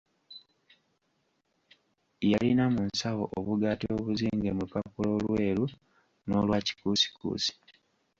Yalina mu nsawo obugaati obuzinge mu lupapula olweru n'olwa kikuusikuusi.